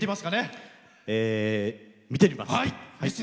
見てます。